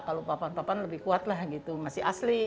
kalau papan papan lebih kuat lah gitu masih asli